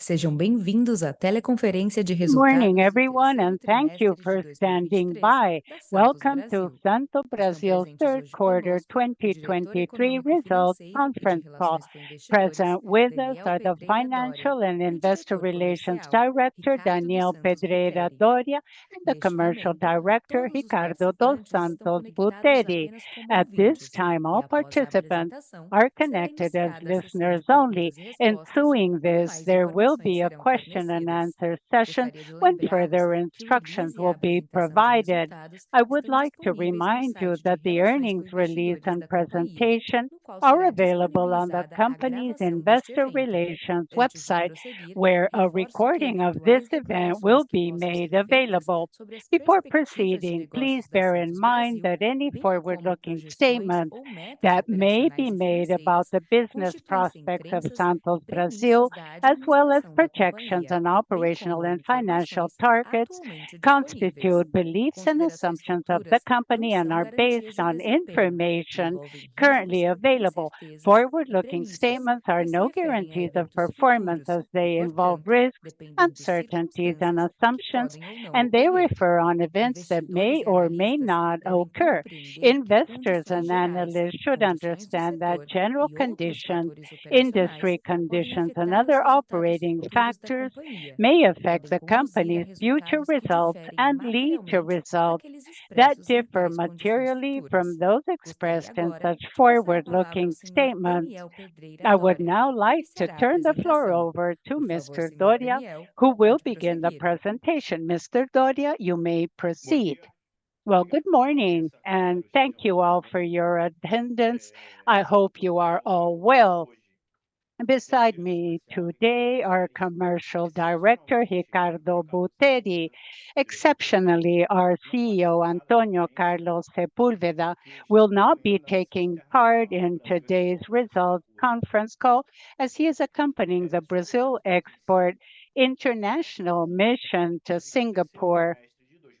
and the Commercial Director, Ricardo dos Santos Buteri. At this time, all participants are connected as listeners only. Ensuing this, there will be a question and answer session when further instructions will be provided. I would like to remind you that the earnings release and presentation are available on the company's investor relations website, where a recording of this event will be made available. Before proceeding, please bear in mind that any forward-looking statement that may be made about the business prospects of Santos Brasil, as well as projections and operational and financial targets, constitute beliefs and assumptions of the company and are based on information currently available. Forward-looking statements are no guarantees of performance as they involve risks, uncertainties and assumptions, and they refer to events that may or may not occur. Investors and analysts should understand that general conditions, industry conditions, and other operating factors may affect the company's future results and lead to results that differ materially from those expressed in such forward-looking statements. I would now like to turn the floor over to Mr. Dorea, who will begin the presentation. Mr. Dorea, you may proceed. Well, good morning, and thank you all for your attendance. I hope you are all well. Beside me today, our Commercial Director, Ricardo Buteri. Exceptionally, our CEO, Antonio Carlos Sepúlveda, will not be taking part in today's results conference call, as he is accompanying the Brasil Export International Mission to Singapore.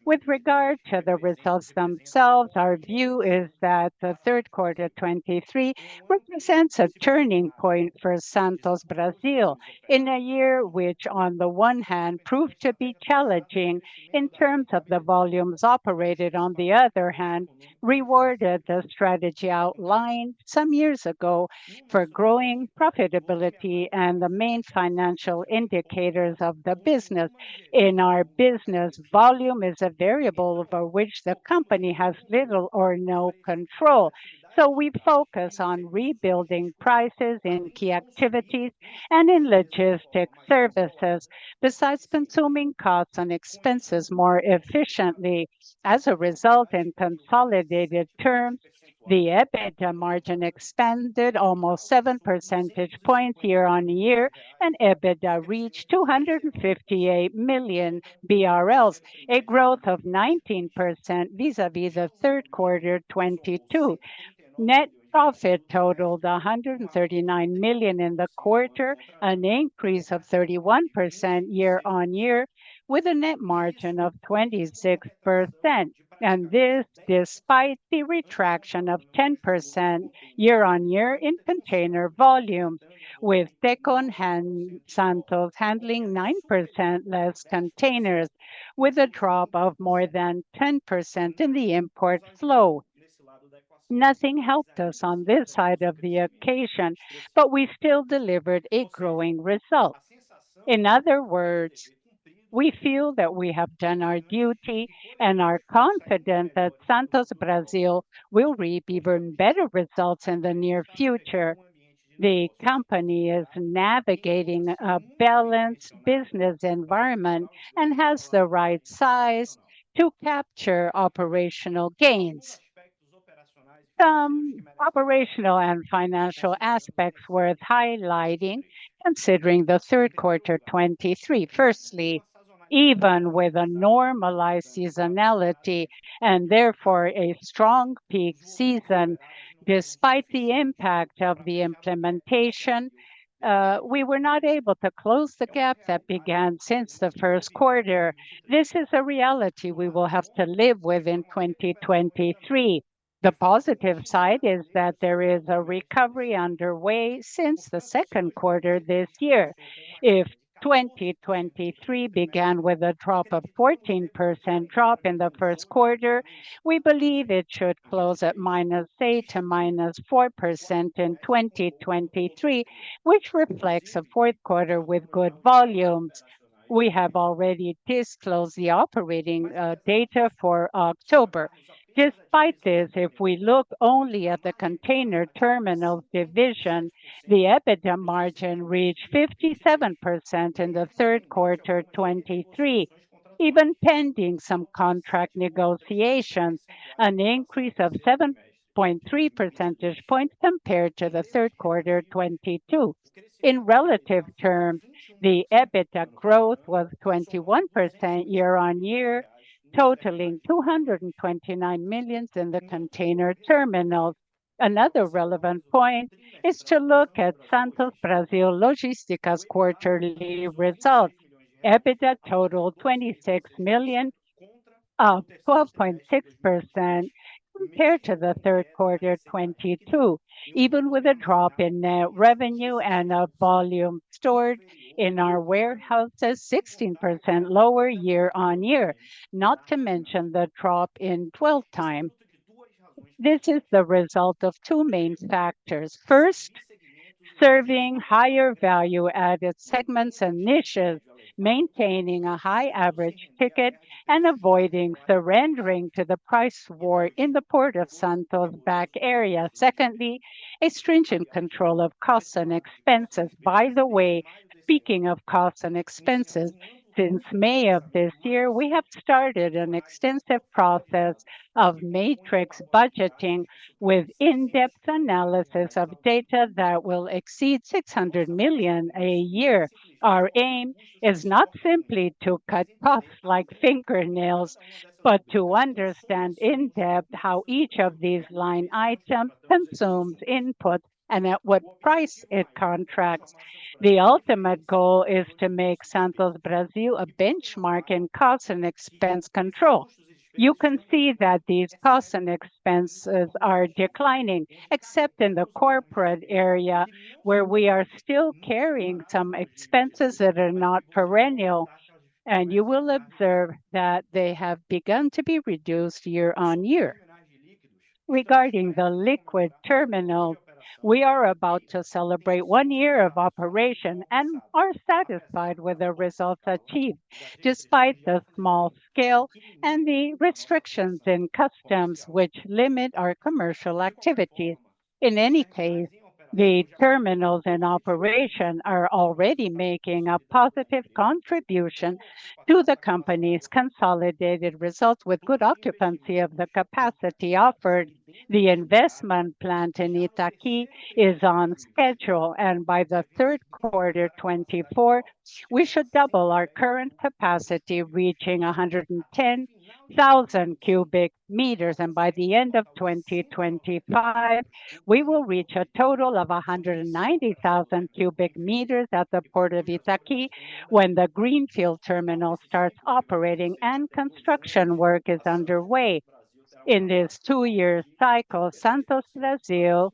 With regard to the results themselves, our view is that the third quarter 2023 represents a turning point for Santos Brasil. In a year which on the one hand, proved to be challenging in terms of the volumes operated, on the other hand, rewarded the strategy outlined some years ago for growing profitability and the main financial indicators of the business. In our business, volume is a variable over which the company has little or no control, so we focus on rebuilding prices in key activities and in logistic services, besides consuming costs and expenses more efficiently. As a result, in consolidated terms, the EBITDA margin expanded almost 7 percentage points year-on-year, and EBITDA reached 258 million BRL, a growth of 19% vis-à-vis the third quarter 2022. Net profit totaled 139 million in the quarter, an increase of 31% year-on-year, with a net margin of 26%, and this despite the retraction of 10% year-on-year in container volume, with Tecon Santos handling 9% less containers, with a drop of more than 10% in the import flow. Nothing helped us on this side of the equation, but we still delivered a growing result. In other words, we feel that we have done our duty and are confident that Santos Brasil will reap even better results in the near future. The company is navigating a balanced business environment and has the right size to capture operational gains. Some operational and financial aspects worth highlighting considering the third quarter 2023. Firstly, even with a normalized seasonality and therefore a strong peak season, despite the impact of the implementation, we were not able to close the gap that began since the first quarter. This is a reality we will have to live with in 2023. The positive side is that there is a recovery underway since the second quarter this year. If 2023 began with a drop of 14% drop in the first quarter, we believe it should close at -8% - -4% in 2023, which reflects a fourth quarter with good volumes. We have already disclosed the operating data for October. Despite this, if we look only at the container terminal division, the EBITDA margin reached 57% in the third quarter 2023, even pending some contract negotiations, an increase of 7.3 percentage points compared to the third quarter 2022. In relative terms, the EBITDA growth was 21% year-on-year, totaling 229 million in the container terminals. Another relevant point is to look at Santos Brasil Logística's quarterly results. EBITDA totaled 26 million of 12.6% compared to the third quarter 2022, even with a drop in net revenue and a volume stored in our warehouses 16% lower year-on-year, not to mention the drop in dwell time. This is the result of two main factors. First, serving higher value-added segments and niches, maintaining a high average ticket and avoiding surrendering to the price war in the Port of Santos back area. Secondly, a stringent control of costs and expenses. By the way, speaking of costs and expenses, since May of this year, we have started an extensive process of matrix budgeting with in-depth analysis of data that will exceed 600 million a year. Our aim is not simply to cut costs like fingernails, but to understand in depth how each of these line items consumes input and at what price it contracts. The ultimate goal is to make Santos Brasil a benchmark in cost and expense control. You can see that these costs and expenses are declining, except in the corporate area, where we are still carrying some expenses that are not perennial, and you will observe that they have begun to be reduced year-on-year. Regarding the liquid terminal, we are about to celebrate one year of operation and are satisfied with the results achieved, despite the small scale and the restrictions in customs which limit our commercial activities. In any case, the terminals in operation are already making a positive contribution to the company's consolidated results, with good occupancy of the capacity offered. The investment plan in Itaqui is on schedule, and by the third quarter 2024, we should double our current capacity, reaching 110,000 cubic meters, and by the end of 2025, we will reach a total of 190,000 cubic meters at the Port of Itaqui when the greenfield terminal starts operating and construction work is underway. In this two-year cycle, Santos Brasil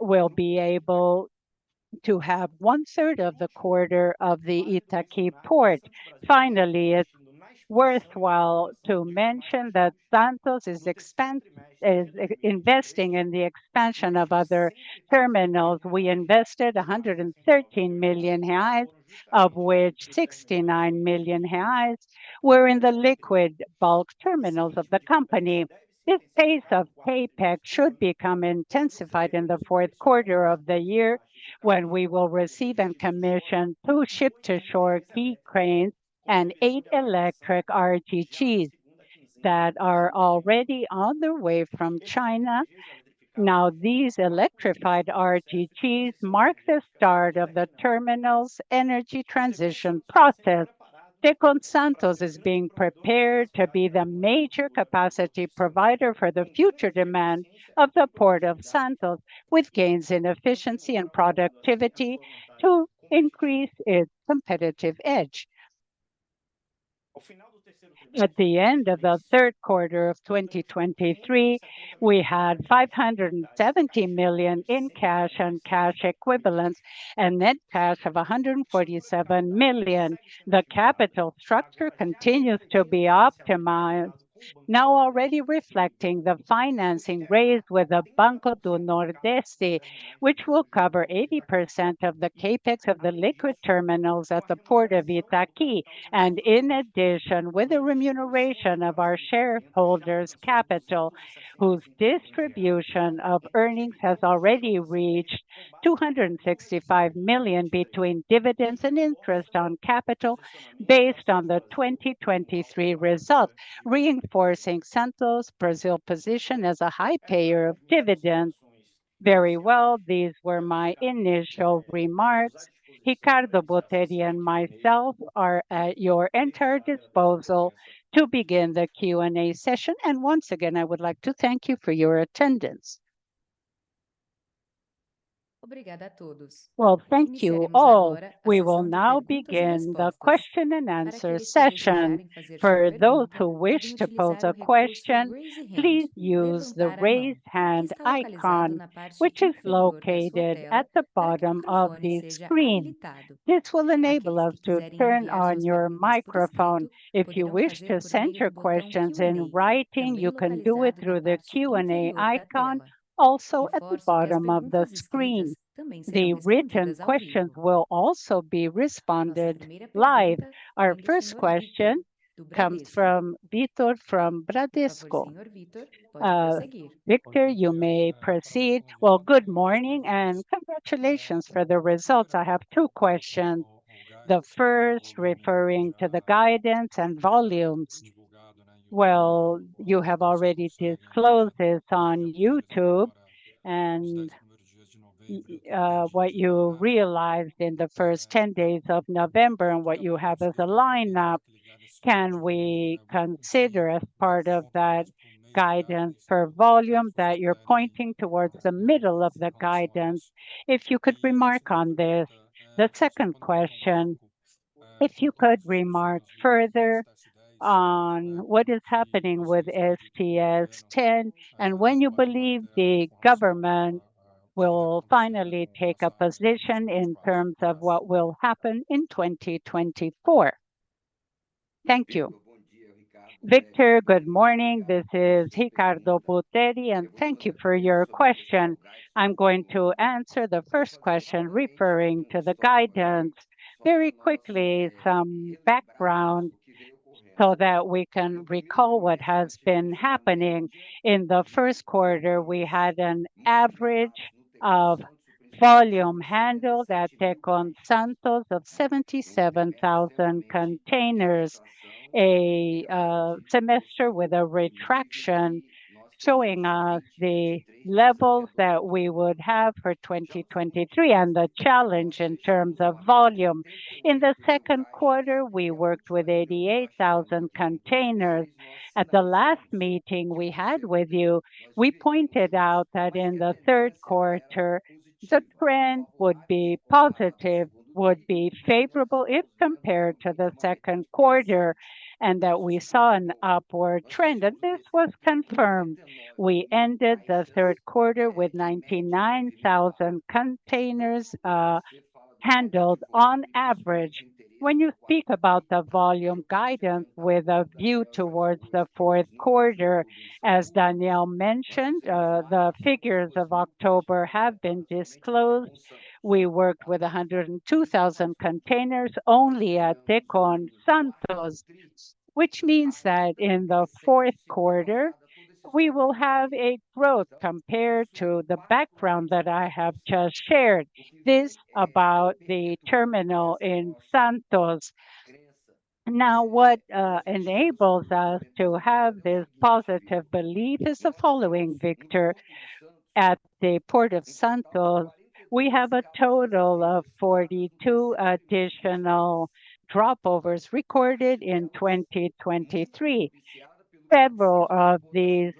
will be able to have one third of the quarter of the Itaqui Port. Finally, it's worthwhile to mention that Santos is investing in the expansion of other terminals. We invested 113 million reais, of which 69 million reais were in the liquid bulk terminals of the company. This phase of CapEx should become intensified in the fourth quarter of the year, when we will receive and commission 2 ship-to-shore quay cranes and 8 electric RTGs that are already on the way from China. Now, these electrified RTGs mark the start of the terminal's energy transition process. Tecon Santos is being prepared to be the major capacity provider for the future demand of the Port of Santos, with gains in efficiency and productivity to increase its competitive edge. At the end of the third quarter of 2023, we had 570 million in cash and cash equivalents, and net cash of 147 million. The capital structure continues to be optimized, now already reflecting the financing raised with the Banco do Nordeste, which will cover 80% of the CapEx of the liquid terminals at the Port of Itaqui, and in addition, with the remuneration of our shareholders' capital, whose distribution of earnings has already reached 265 million between dividends and interest on capital based on the 2023 results, reinforcing Santos Brasil position as a high payer of dividends. Very well. These were my initial remarks. Ricardo Buteri and myself are at your entire disposal to begin the Q&A session, and once again, I would like to thank you for your attendance. Well, thank you all. We will now begin the question and answer session. For those who wish to pose a question, please use the Raise Hand icon, which is located at the bottom of the screen. This will enable us to turn on your microphone. If you wish to send your questions in writing, you can do it through the Q&A icon, also at the bottom of the screen. The written questions will also be responded live. Our first question comes from Vitor, from Bradesco. Vitor, you may proceed. Well, good morning and congratulations for the results. I have two questions. The first, referring to the guidance and volumes. Well, you have already disclosed this on YouTube and what you realized in the first 10 days of November and what you have as a lineup, can we consider as part of that guidance for volume that you're pointing towards the middle of the guidance? If you could remark on this. The second question If you could remark further on what is happening with STS-10, and when you believe the government will finally take a position in terms of what will happen in 2024? Thank you. Vitor, good morning. This is Ricardo Buteri, and thank you for your question. I'm going to answer the first question referring to the guidance. Very quickly, some background so that we can recall what has been happening. In the first quarter, we had an average of volume handled at Tecon Santos of 77,000 containers, a semester with a retraction, showing the levels that we would have for 2023 and the challenge in terms of volume. In the second quarter, we worked with 88,000 containers. At the last meeting we had with you, we pointed out that in the third quarter, the trend would be positive, would be favorable if compared to the second quarter, and that we saw an upward trend, and this was confirmed. We ended the third quarter with 99,000 containers handled on average. When you think about the volume guidance with a view towards the fourth quarter, as Daniel mentioned, the figures of October have been disclosed. We worked with 102,000 containers only at Tecon Santos, which means that in the fourth quarter, we will have a growth compared to the background that I have just shared. This about the terminal in Santos. Now, what enables us to have this positive belief is the following, Vitor: at the Port of Santos, we have a total of 42 additional stopovers recorded in 2023. Several of these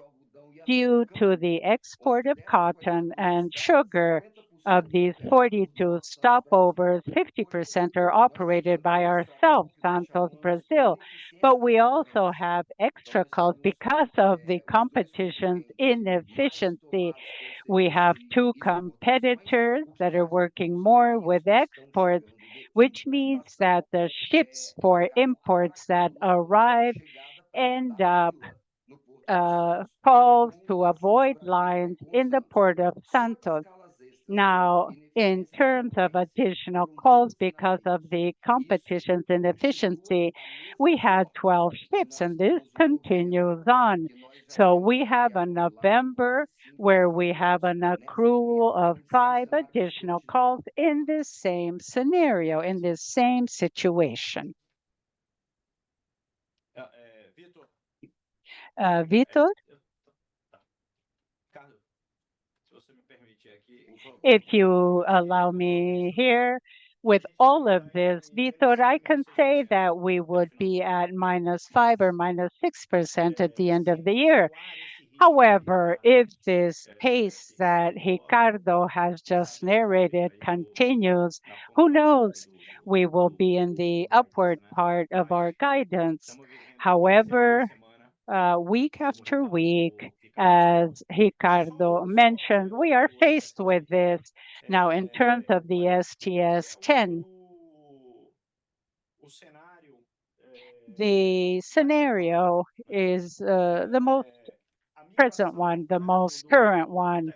due to the export of cotton and sugar. Of these 42 stopovers, 50% are operated by ourselves, Santos Brasil. But we also have extra calls because of the competition's inefficiency. We have two competitors that are working more with exports, which means that the ships for imports that arrive end up calls to avoid lines in the Port of Santos. Now, in terms of additional calls, because of the competition's inefficiency, we had 12 ships, and this continues on. So we have a November, where we have an accrual of five additional calls in this same scenario, in this same situation. Vitor? Vitor. If you allow me here, with all of this, Vitor, I can say that we would be at -5% or -6% at the end of the year. However, if this pace that Ricardo has just narrated continues, who knows? We will be in the upward part of our guidance. However, week after week, as Ricardo mentioned, we are faced with this. Now, in terms of the STS-10, the scenario is the most present one, the most current one.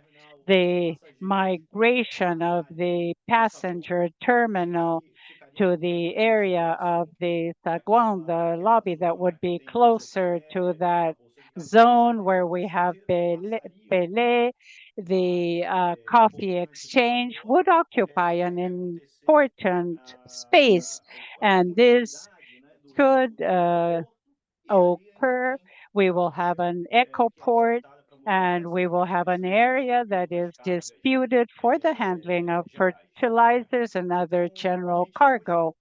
The migration of the passenger terminal to the area of the Valongo, the Largo that would be closer to that zone where we have, Pelé, the Coffee Exchange, would occupy an important space, and this could occur. We will have an Ecoporto, and we will have an area that is disputed for the handling of fertilizers and other general cargo.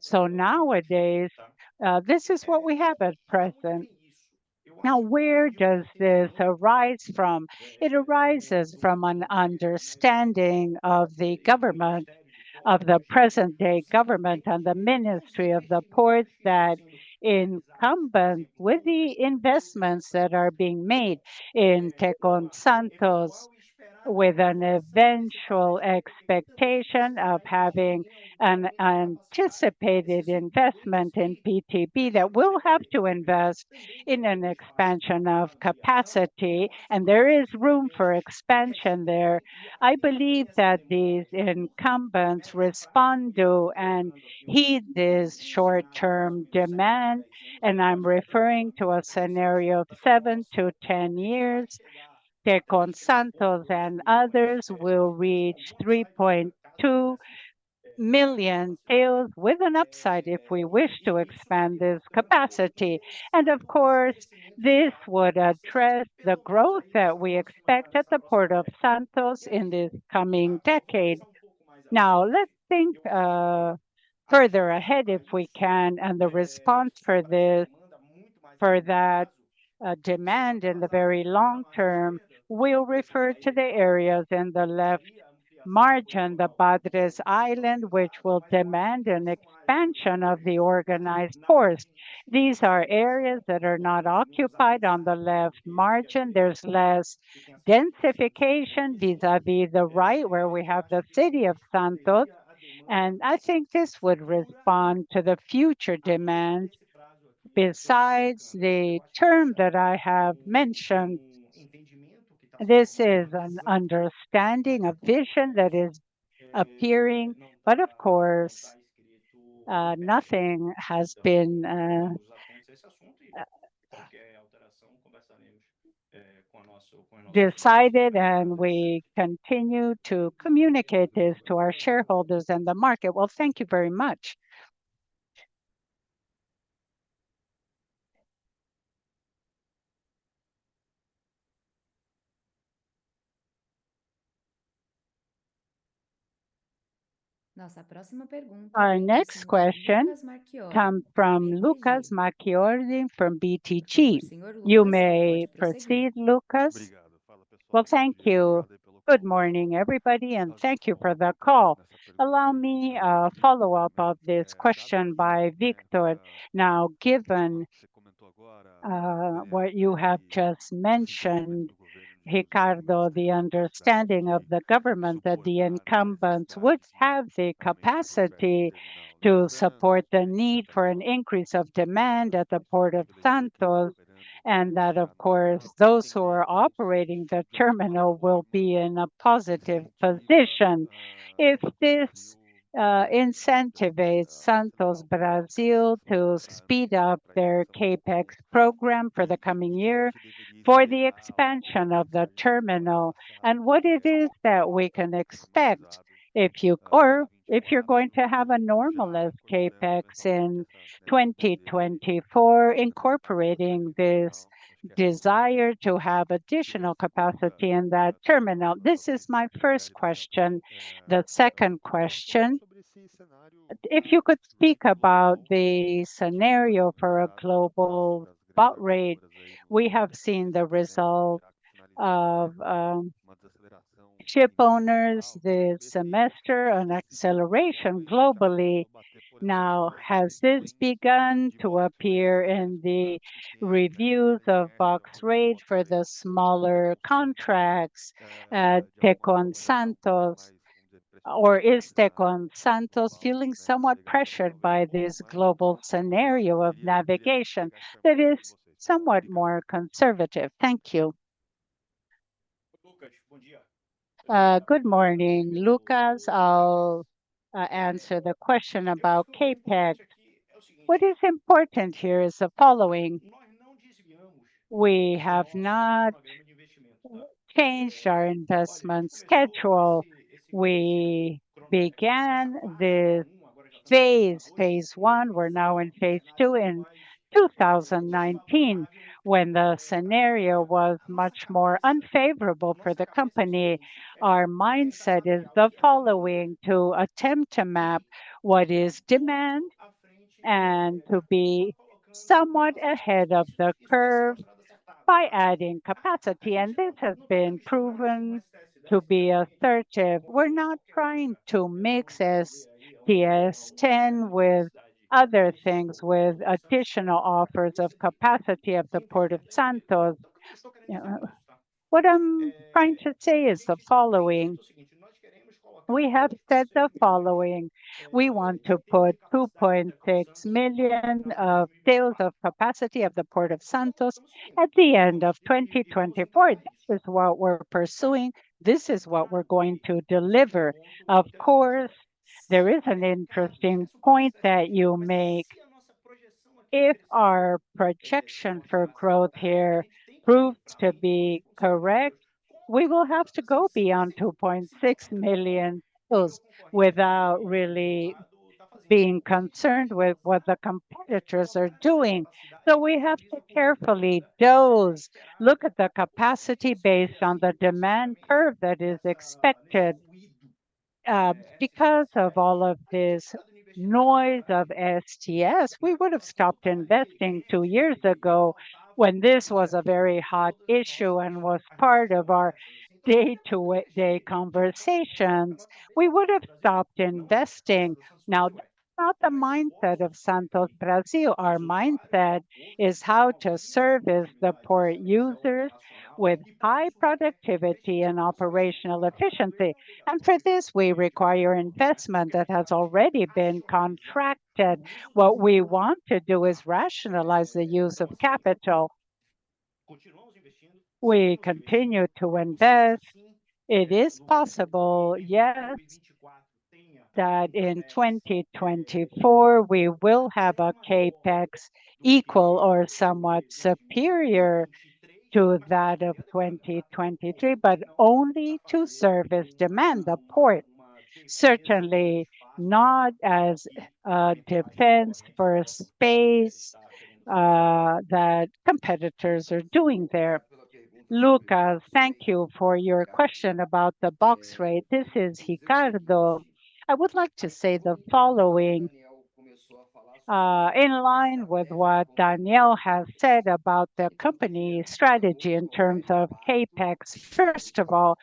So nowadays, this is what we have at present. Now, where does this arise from? It arises from an understanding of the government, of the present-day government and the Ministry of the Port, that incumbent with the investments that are being made in Tecon Santos, with an eventual expectation of having an anticipated investment in BTP, that will have to invest in an expansion of capacity, and there is room for expansion there. I believe that these incumbents respond to and heed this short-term demand, and I'm referring to a scenario of 7-10 years. Tecon Santos and others will reach 3.2 million TEUs with an upside if we wish to expand this capacity, and of course, this would address the growth that we expect at the Port of Santos in this coming decade. Now, let's think further ahead, if we can, and the response for that demand in the very long term, we'll refer to the areas in the left margin, the Bagres Island, which will demand an expansion of the organized ports. These are areas that are not occupied on the left margin. There's less densification vis-à-vis the right, where we have the city of Santos, and I think this would respond to the future demands besides the terminal that I have mentioned. This is an understanding, a vision that is appearing, but of course, nothing has been decided, and we continue to communicate this to our shareholders and the market. Well, thank you very much. Our next question comes from Lucas Marquiori from BTG. You may proceed, Lucas. Well, thank you. Good morning, everybody, and thank you for the call. Allow me a follow-up of this question by Vitor. Now, given what you have just mentioned, Ricardo, the understanding of the government that the incumbents would have the capacity to support the need for an increase of demand at the Port of Santos, and that, of course, those who are operating the terminal will be in a positive position. If this incentivizes Santos Brasil to speed up their CapEx program for the coming year for the expansion of the terminal, and what it is that we can expect if you... Or if you're going to have a normal CapEx in 2024, incorporating this desire to have additional capacity in that terminal? This is my first question. The second question, if you could speak about the scenario for a global box rate, we have seen the result of shipowners this semester, an acceleration globally. Now, has this begun to appear in the reviews of box rate for the smaller contracts at Tecon Santos, or is Tecon Santos feeling somewhat pressured by this global scenario of navigation that is somewhat more conservative? Thank you. Good morning, Lucas. I'll answer the question about CapEx. What is important here is the following: We have not changed our investment schedule. We began this phase, phase one, we're now in phase two, in 2019, when the scenario was much more unfavorable for the company. Our mindset is the following, to attempt to map what is demand and to be somewhat ahead of the curve by adding capacity, and this has been proven to be assertive. We're not trying to mix STS-10 with other things, with additional offers of capacity at the Port of Santos. What I'm trying to say is the following. We have said the following: We want to put 2.6 million TEUs of capacity of the Port of Santos at the end of 2024. This is what we're pursuing. This is what we're going to deliver. Of course, there is an interesting point that you make. If our projection for growth here proves to be correct, we will have to go beyond 2.6 million without really being concerned with what the competitors are doing. So we have to carefully dose, look at the capacity based on the demand curve that is expected. Because of all of this noise of STS, we would have stopped investing two years ago when this was a very hot issue and was part of our day-to-day conversations. We would have stopped investing. Now, that's not the mindset of Santos Brasil. Our mindset is how to service the port users with high productivity and operational efficiency, and for this, we require investment that has already been contracted. What we want to do is rationalize the use of capital. We continue to invest. It is possible, yes, that in 2024, we will have a CapEx equal or somewhat superior to that of 2023, but only to service demand, the port. Certainly not as defense for a space that competitors are doing there. Lucas, thank you for your question about the box rate. This is Ricardo. I would like to say the following, in line with what Daniel has said about the company's strategy in terms of CapEx. First of all,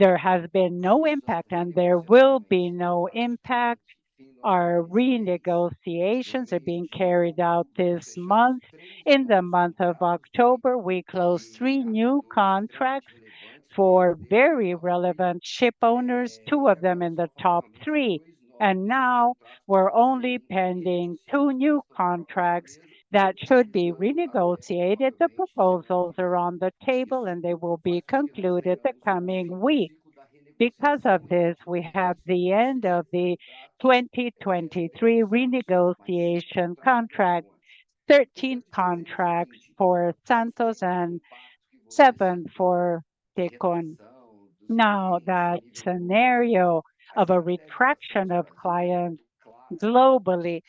there has been no impact and there will be no impact. Our renegotiations are being carried out this month. In the month of October, we closed 3 new contracts for very relevant ship owners, 2 of them in the top 3, and now we're only pending 2 new contracts that should be renegotiated. The proposals are on the table, and they will be concluded the coming week. Because of this, we have the end of the 2023 renegotiation contract, 13 contracts for Santos and 7 for Tecon. Now, that scenario of a retraction of clients globally,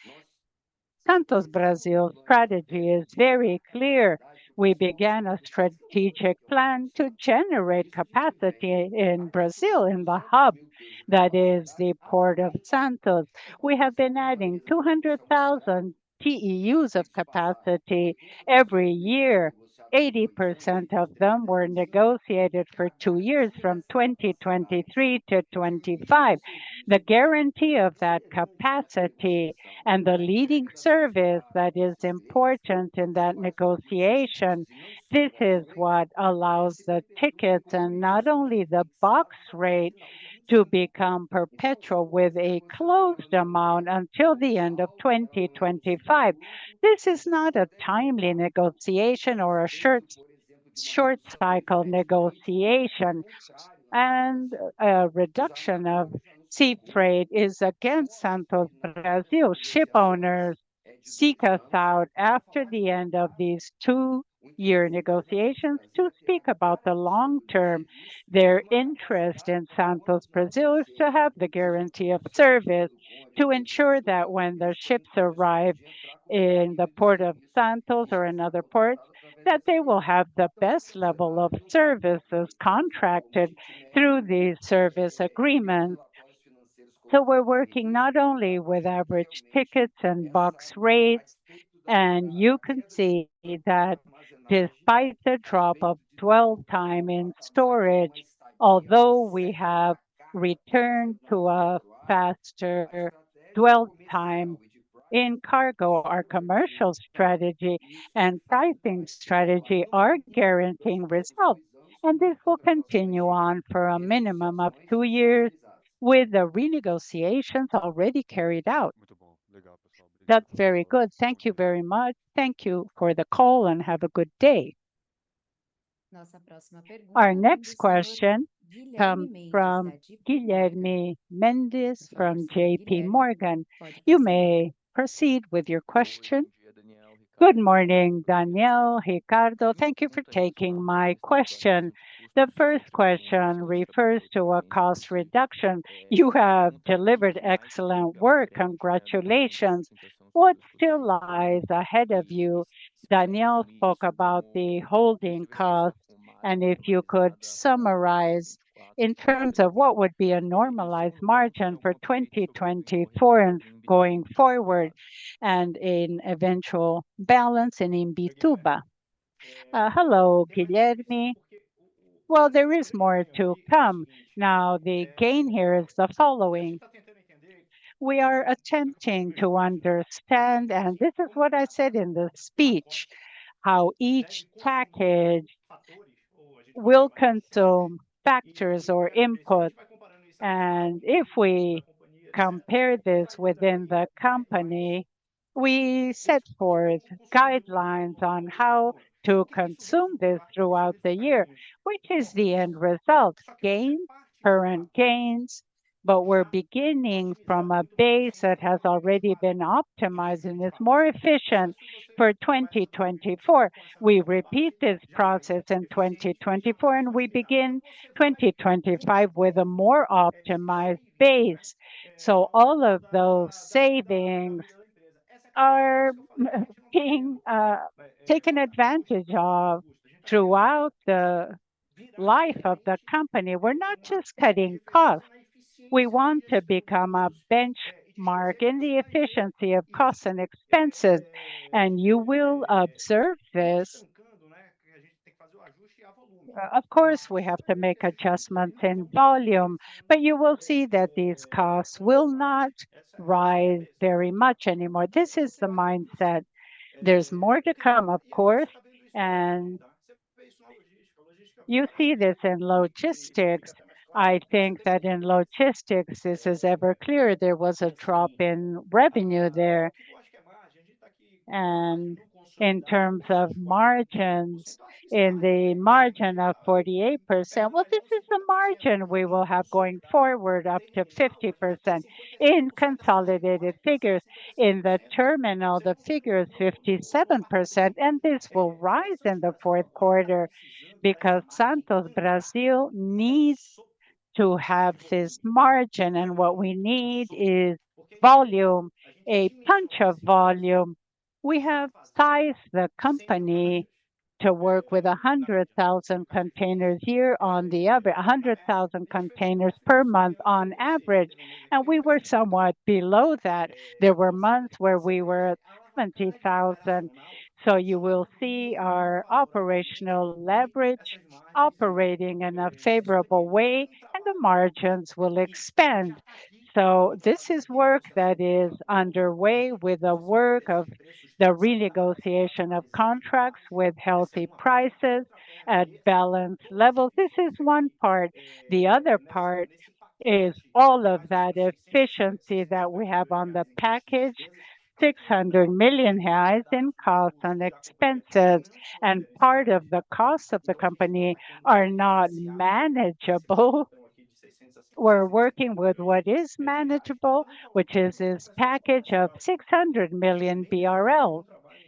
Santos Brasil's strategy is very clear. We began a strategic plan to generate capacity in Brazil, in the hub, that is the Port of Santos. We have been adding 200,000 TEUs of capacity every year. 80% of them were negotiated for 2 years, from 2023- 2025. The guarantee of that capacity and the leading service that is important in that negotiation, this is what allows the tickets and not only the box rate to become perpetual with a closed amount until the end of 2025. This is not a timely negotiation or a short, short cycle negotiation, and a reduction of sea freight is against Santos Brasil. Shipowners seek us out after the end of these 2-year negotiations to speak about the long term. Their interest in Santos Brasil is to have the guarantee of service to ensure that when the ships arrive in the Port of Santos or another port, that they will have the best level of services contracted through these service agreements. So we're working not only with average tickets and box rates, and you can see that despite the drop of 12 time in storage, although we have returned to a faster dwell time in cargo, our commercial strategy and pricing strategy are guaranteeing results, and this will continue on for a minimum of 2 years, with the renegotiations already carried out. That's very good. Thank you very much. Thank you for the call and have a good day. Our next question comes from Guilherme Mendes from JP Morgan. You may proceed with your question. Good morning, Daniel, Ricardo. Thank you for taking my question. The first question refers to a cost reduction. You have delivered excellent work. Congratulations. What still lies ahead of you? Daniel spoke about the holding costs, and if you could summarize in terms of what would be a normalized margin for 2024 and going forward, and an eventual balance in Imbituba. Hello, Guilherme. Well, there is more to come. Now, the gain here is the following: We are attempting to understand, and this is what I said in the speech, how each package will consume factors or inputs. And if we compare this within the company, we set forth guidelines on how to consume this throughout the year. Which is the end result? Gain, current gains, but we're beginning from a base that has already been optimized and is more efficient for 2024. We repeat this process in 2024, and we begin 2025 with a more optimized base. So all of those savings are being taken advantage of throughout the life of the company. We're not just cutting costs. We want to become a benchmark in the efficiency of costs and expenses, and you will observe this. Of course, we have to make adjustments in volume, but you will see that these costs will not rise very much anymore. This is the mindset. There's more to come, of course, and you see this in logistics. I think that in logistics, this is ever clear. There was a drop in revenue there. In terms of margins, in the margin of 48%, well, this is the margin we will have going forward, up to 50% in consolidated figures. In the terminal, the figure is 57%, and this will rise in the fourth quarter because Santos Brasil needs to have this margin. What we need is volume, a punch of volume.... We have sized the company to work with 100,000 containers here on the average, 100,000 containers per month on average, and we were somewhat below that. There were months where we were at 70,000. So you will see our operational leverage operating in a favorable way, and the margins will expand. So this is work that is underway with the work of the renegotiation of contracts with healthy prices at balanced levels. This is one part. The other part is all of that efficiency that we have on the package, 600 million in costs and expenses, and part of the costs of the company are not manageable. We're working with what is manageable, which is this package of 600 million BRL,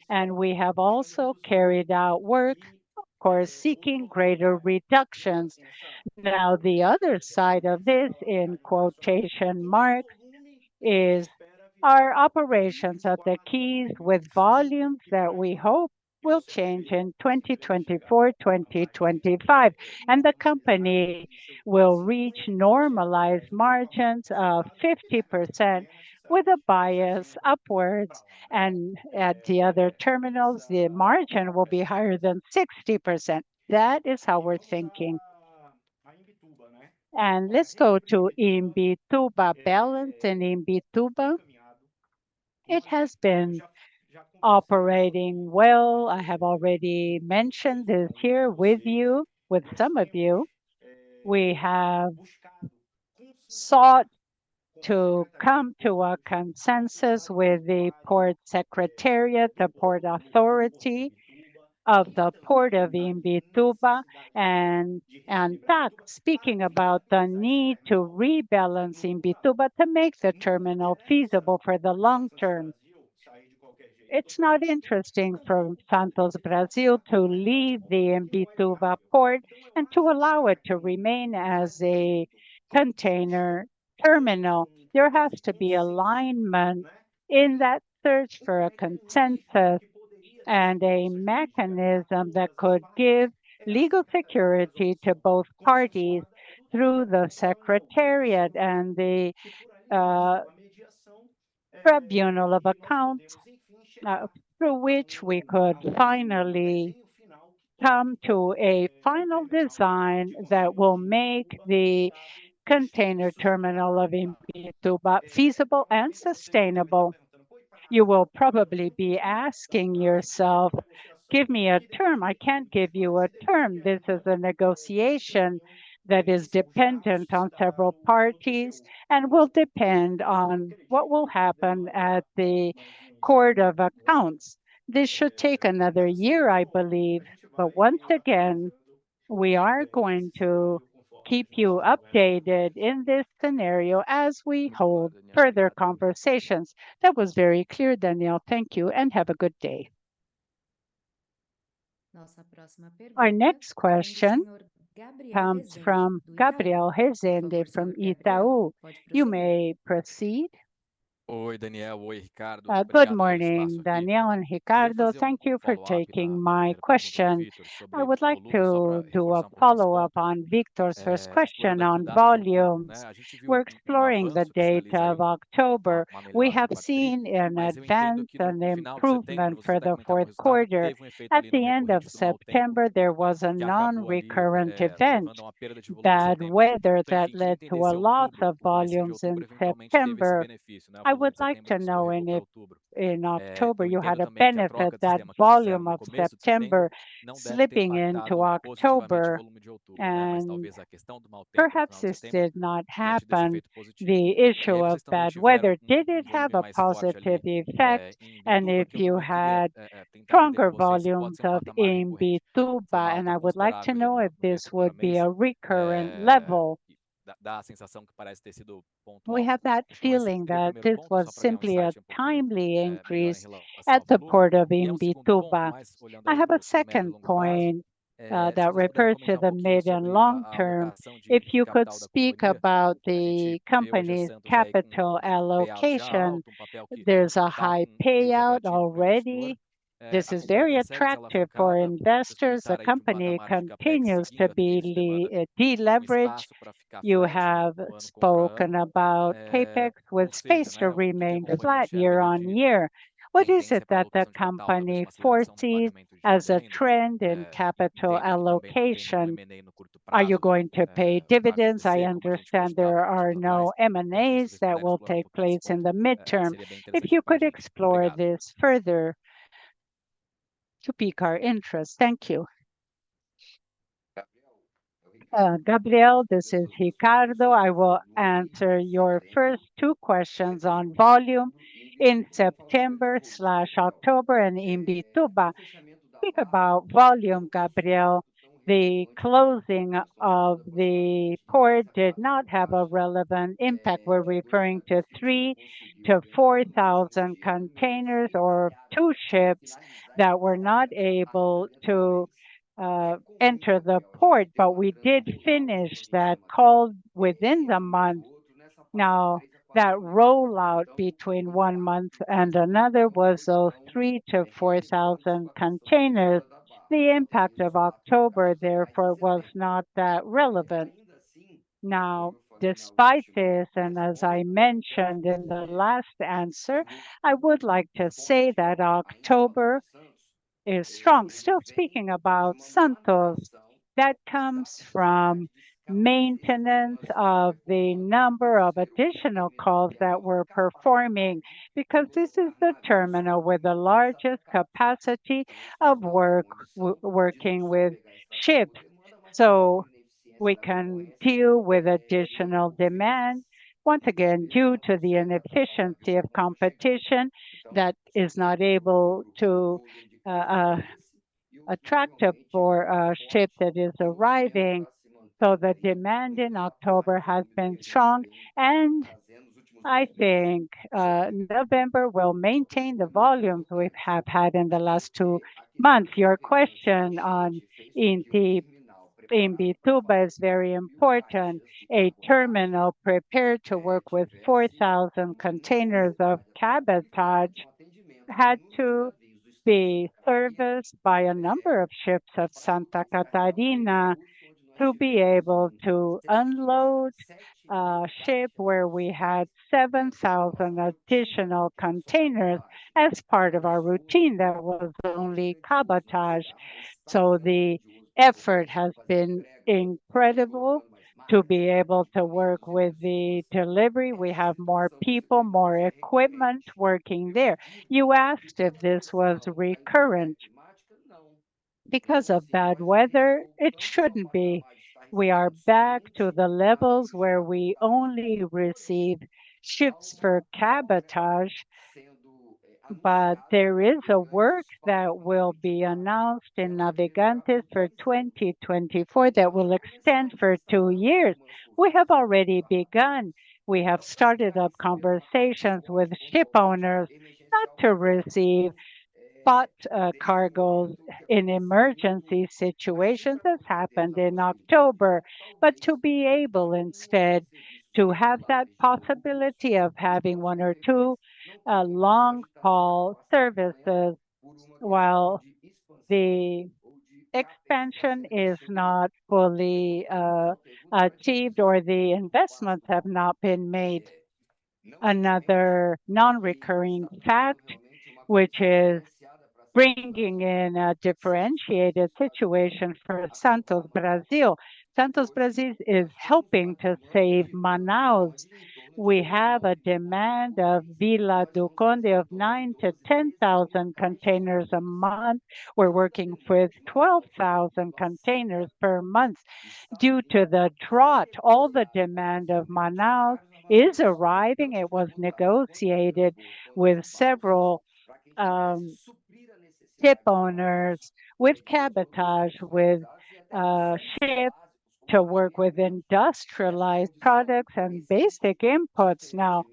and we have also carried out work for seeking greater reductions. Now, the other side of this, in quotation mark, is our operations at the quays with volumes that we hope will change in 2024, 2025, and the company will reach normalized margins of 50% with a bias upwards, and at the other terminals, the margin will be higher than 60%. That is how we're thinking. Let's go to Imbituba. Balance in Imbituba, it has been operating well. I have already mentioned this here with you, with some of you. We have sought to come to a consensus with the Port Secretariat, the Port Authority of the Port of Imbituba, and, and that speaking about the need to rebalance Imbituba to make the terminal feasible for the long term. It's not interesting for Santos Brasil to leave the Imbituba Port and to allow it to remain as a container terminal. There has to be alignment in that search for a consensus and a mechanism that could give legal security to both parties through the Secretariat and the Tribunal of Accounts through which we could finally come to a final design that will make the container terminal of Imbituba feasible and sustainable. You will probably be asking yourself, "Give me a term." I can't give you a term. This is a negotiation that is dependent on several parties and will depend on what will happen at the Court of Accounts. This should take another year, I believe, but once again, we are going to keep you updated in this scenario as we hold further conversations. That was very clear, Daniel. Thank you, and have a good day. Our next question comes from Gabriel Rezende from Itaú. You may proceed. Oi, Daniel. Oi, Ricardo. Good morning, Daniel and Ricardo. Thank you for taking my question. I would like to do a follow-up on Vitor's first question on volumes. We're exploring the data of October. We have seen an advance and improvement for the fourth quarter. At the end of September, there was a non-recurrent event, bad weather, that led to a lot of volumes in September. I would like to know, and if in October you had a benefit, that volume of September slipping into October, and perhaps this did not happen. The issue of bad weather, did it have a positive effect? And if you had stronger volumes of Imbituba, and I would like to know if this would be a recurrent level. We had that feeling that this was simply a timely increase at the Port of Imbituba. I have a second point, that refers to the medium long term. If you could speak about the company's capital allocation, there's a high payout already. This is very attractive for investors. The company continues to be the de-leveraged. You have spoken about CapEx with space to remain flat year on year. What is it that the company foresees as a trend in capital allocation? Are you going to pay dividends? I understand there are no M&As that will take place in the midterm. If you could explore this further to pique our interest. Thank you. Gabriel. Gabriel, this is Ricardo. I will answer your first two questions on volume in September/October and Imbituba. Speak about volume, Gabriel. The closing of the port did not have a relevant impact. We're referring to 3,000-4,000 containers or 2 ships that were not able to enter the port, but we did finish that call within the month. Now, that rollout between one month and another was, oh, 3,000-4,000 containers. The impact of October, therefore, was not that relevant. Now, despite this, and as I mentioned in the last answer, I would like to say that October is strong. Still speaking about Santos, that comes from maintenance of the number of additional calls that we're performing, because this is the terminal with the largest capacity of work working with ships, so we can deal with additional demand once again, due to the inefficiency of competition that is not able to attract up for ships that is arriving. So the demand in October has been strong, and I think November will maintain the volumes we have had in the last two months. Your question in Imbituba is very important. A terminal prepared to work with 4,000 containers of cabotage had to be serviced by a number of ships at Santa Catarina to be able to unload ship where we had 7,000 additional containers as part of our routine that was only cabotage. So the effort has been incredible to be able to work with the delivery. We have more people, more equipment working there. You asked if this was recurrent because of bad weather, it shouldn't be. We are back to the levels where we only receive ships for cabotage, but there is a work that will be announced in Navegantes for 2024 that will extend for two years. We have already begun. We have started up conversations with shipowners not to receive spot cargos in emergency situations, as happened in October, but to be able instead to have that possibility of having 1 or 2 long-haul services while the expansion is not fully achieved or the investments have not been made. Another non-recurring fact, which is bringing in a differentiated situation for Santos Brasil. Santos Brasil is helping to save Manaus. We have a demand of Vila do Conde of 9-10,000 containers a month. We're working with 12,000 containers per month. Due to the drought, all the demand of Manaus is arriving. It was negotiated with several shipowners, with cabotage, with ships to work with industrialized products and basic inputs. Now,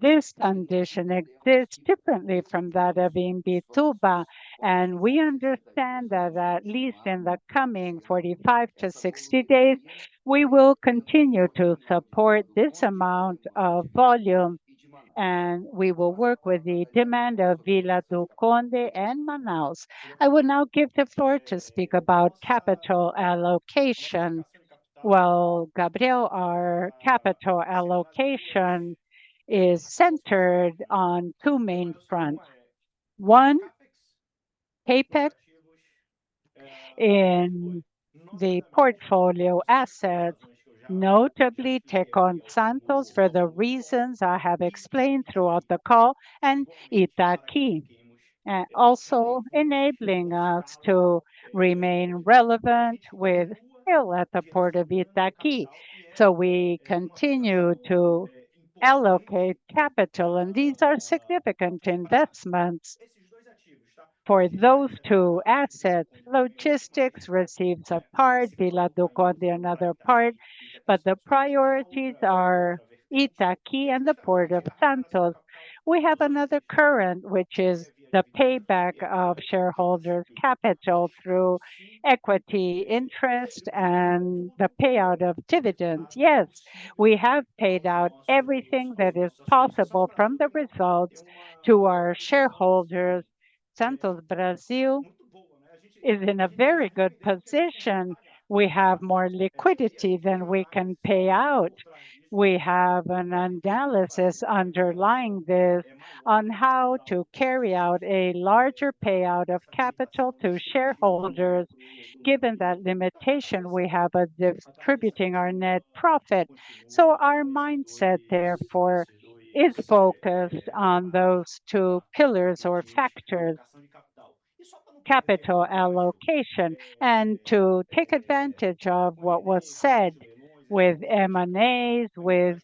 this condition exists differently from that of Imbituba, and we understand that at least in the coming 45-60 days, we will continue to support this amount of volume, and we will work with the demand of Vila do Conde and Manaus. I will now give the floor to speak about capital allocation. Well, Gabriel, our capital allocation is centered on two main fronts. One, CapEx in the portfolio assets, notably Tecon Santos, for the reasons I have explained throughout the call, and Itaqui, also enabling us to remain relevant with scale at the Port of Itaqui. So we continue to allocate capital, and these are significant investments for those two assets. Logistics receives a part, Vila do Conde another part, but the priorities are Itaqui and the Port of Santos. We have another current, which is the payback of shareholder capital through equity interest and the payout of dividends. Yes, we have paid out everything that is possible from the results to our shareholders. Santos Brasil is in a very good position. We have more liquidity than we can pay out. We have an analysis underlying this on how to carry out a larger payout of capital to shareholders, given that limitation we have of distributing our net profit. Our mindset, therefore, is focused on those two pillars or factors, capital allocation, and to take advantage of what was said with M&As, with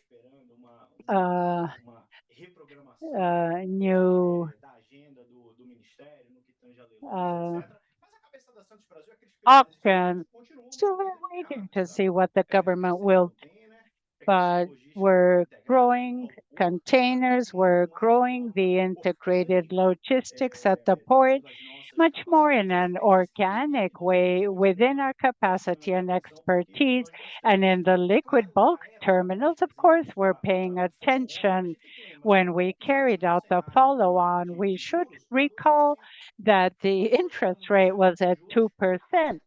new opportunities. We're waiting to see what the government will do, but we're growing containers, we're growing the integrated logistics at the port, much more in an organic way within our capacity and expertise. And in the liquid bulk terminals, of course, we're paying attention. When we carried out the follow-on, we should recall that the interest rate was at 2%.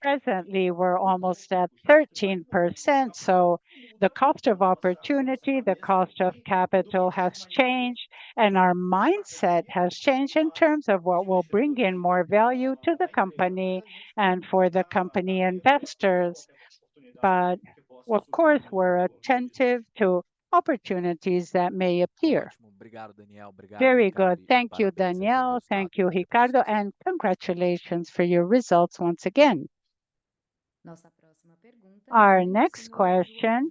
Presently, we're almost at 13%, so the cost of opportunity, the cost of capital has changed, and our mindset has changed in terms of what will bring in more value to the company and for the company investors. But of course, we're attentive to opportunities that may appear. Very good. Thank you, Daniel. Thank you, Ricardo, and congratulations for your results once again. Our next question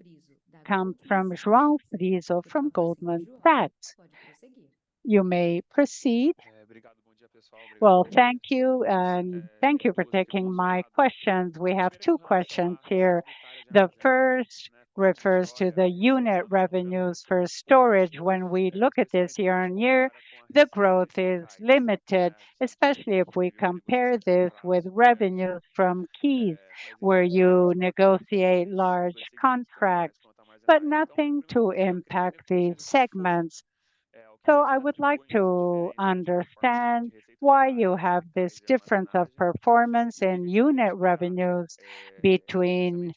comes from João Frizo from Goldman Sachs. You may proceed. Well, thank you, and thank you for taking my questions. We have two questions here. The first refers to the unit revenues for storage. When we look at this year-on-year, the growth is limited, especially if we compare this with revenues from quays, where you negotiate large contracts, but nothing to impact the segments. So I would like to understand why you have this difference of performance in unit revenues between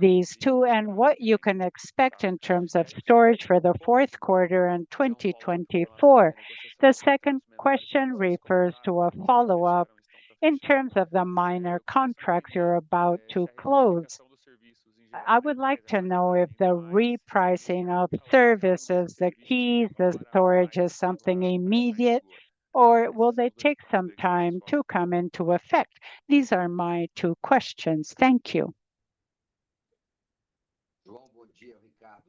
these two, and what you can expect in terms of storage for the fourth quarter in 2024. The second question refers to a follow-up in terms of the minor contracts you're about to close. I would like to know if the repricing of services, the quays, the storage, is something immediate, or will they take some time to come into effect? These are my two questions. Thank you.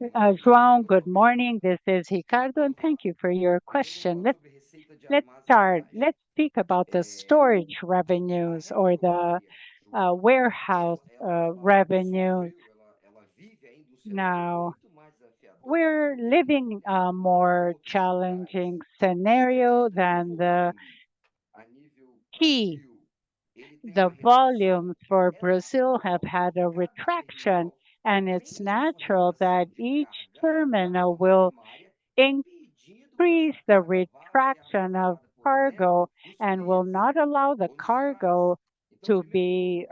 João, good morning. This is Ricardo, and thank you for your question. Let's start. Let's speak about the storage revenues or the warehouse revenue. Now, we're living a more challenging scenario than the key. The volume for Brazil have had a retraction, and it's natural that each terminal will increase the retraction of cargo and will not allow the cargo to be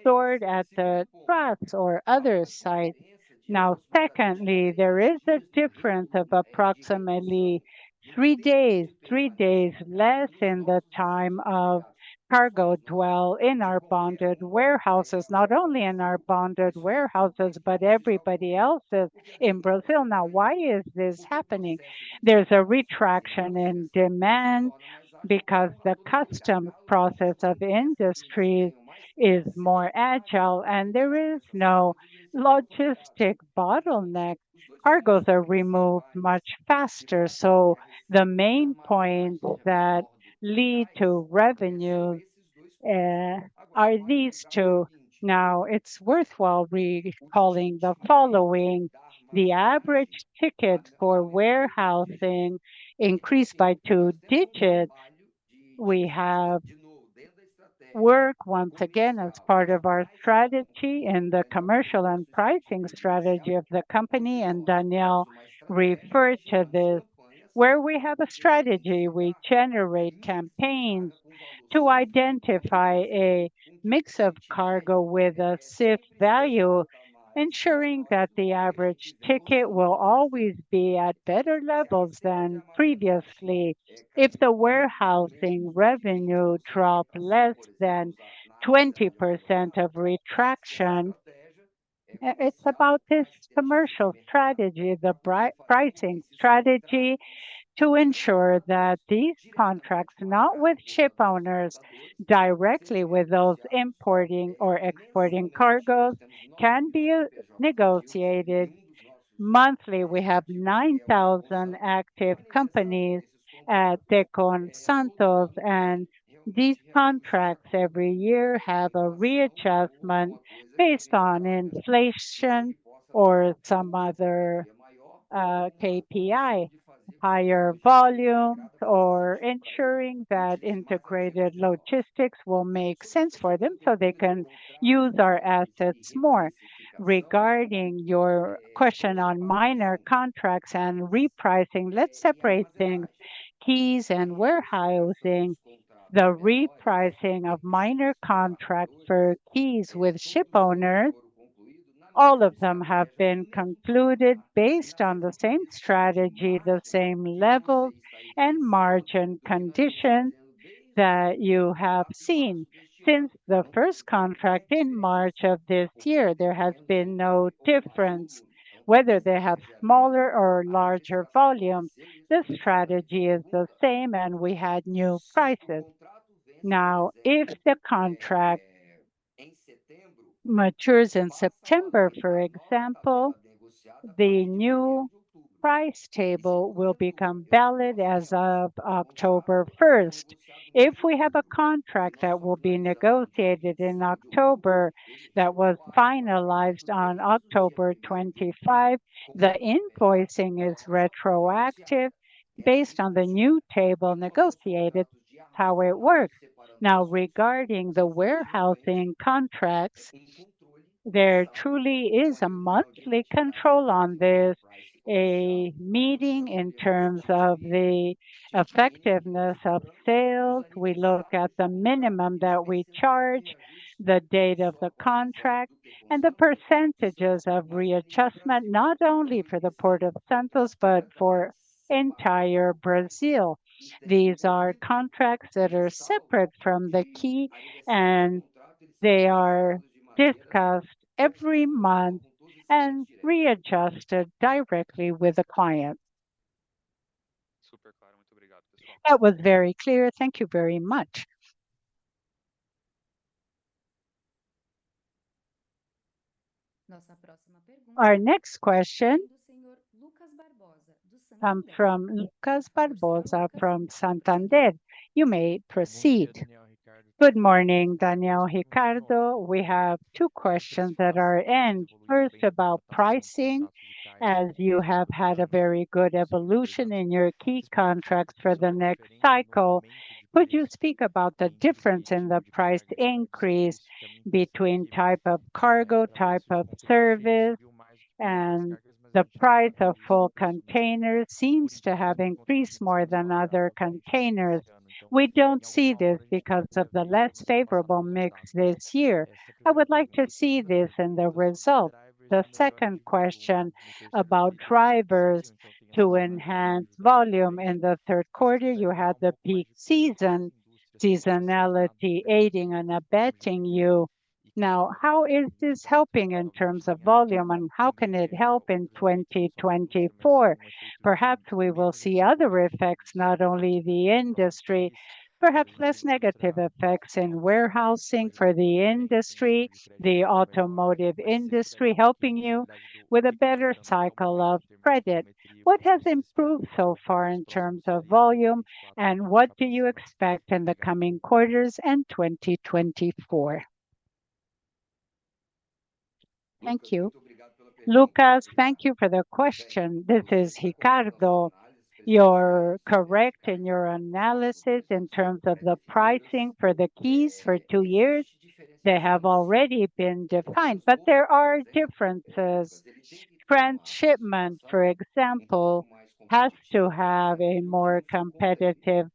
stored at the flats or other sites. Now, secondly, there is a difference of approximately three days, three days less in the time of cargo dwell in our bonded warehouses, not only in our bonded warehouses, but everybody else's in Brazil. Now, why is this happening? There's a retraction in demand because the customs process of industry is more agile and there is no logistics bottleneck. Cargos are removed much faster. So the main points that lead to revenues are these two. Now, it's worthwhile recalling the following: The average ticket for warehousing increased by two digits. We have work once again as part of our strategy and the commercial and pricing strategy of the company, and Daniel referred to this. Where we have a strategy, we generate campaigns to identify a mix of cargo with a safe value, ensuring that the average ticket will always be at better levels than previously. If the warehousing revenue drop less than 20% of retraction, it's about this commercial strategy, the pricing strategy, to ensure that these contracts, not with shipowners, directly with those importing or exporting cargos, can be negotiated monthly. We have 9,000 active companies at Tecon Santos, and these contracts every year have a readjustment based on inflation or some other KPI, higher volume, or ensuring that integrated logistics will make sense for them so they can use our assets more. Regarding your question on minor contracts and repricing, let's separate things, quays and warehousing. The repricing of minor contract for quays with shipowners, all of them have been concluded based on the same strategy, the same level and margin conditions that you have seen. Since the first contract in March of this year, there has been no difference. Whether they have smaller or larger volumes, the strategy is the same, and we had new prices. Now, if the contract matures in September, for example, the new price table will become valid as of October 1st. If we have a contract that will be negotiated in October, that was finalized on October 25, the invoicing is retroactive based on the new table negotiated, how it works. Now, regarding the warehousing contracts, there truly is a monthly control on this, a meeting in terms of the effectiveness of sales. We look at the minimum that we charge, the date of the contract, and the percentages of readjustment, not only for the Port of Santos, but for entire Brazil. These are contracts that are separate from the quay, and they are discussed every month and readjusted directly with the client. Super clear. That was very clear. Thank you very much. Our next question come from Lucas Barbosa from Santander. You may proceed. Good morning, Daniel, Ricardo. We have two questions that are in. First, about pricing, as you have had a very good evolution in your key contracts for the next cycle, would you speak about the difference in the price increase between type of cargo, type of service, and the price of full containers seems to have increased more than other containers? We don't see this because of the less favorable mix this year. I would like to see this in the result. The second question about drivers to enhance volume. In the third quarter, you had the peak season, seasonality aiding and abetting you. Now, how is this helping in terms of volume, and how can it help in 2024? Perhaps we will see other effects, not only the industry, perhaps less negative effects in warehousing for the industry, the automotive industry, helping you with a better cycle of credit. What has improved so far in terms of volume, and what do you expect in the coming quarters and 2024? Thank you. Lucas, thank you for the question. This is Ricardo. You're correct in your analysis in terms of the pricing for the quays for 2 years. They have already been defined, but there are differences. Transshipment, for example, has to have a more competitive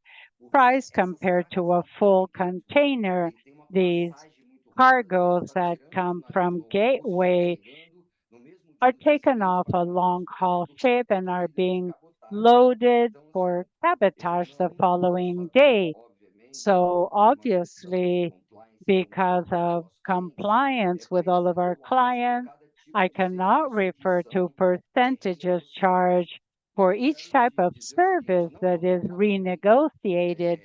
price compared to a full container. These cargoes that come from gateway are taken off a long-haul ship and are being loaded for cabotage the following day. Obviously, because of compliance with all of our clients, I cannot refer to percentages charged for each type of service that is renegotiated.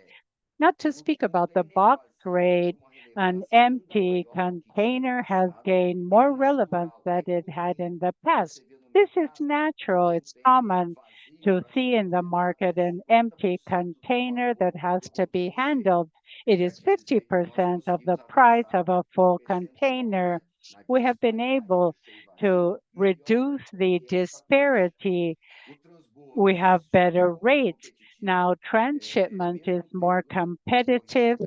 Not to speak about the box rate, an empty container has gained more relevance than it had in the past. This is natural. It's common to see in the market an empty container that has to be handled. It is 50% of the price of a full container. We have been able to reduce the disparity. We have better rates. Now, transshipment is more competitive,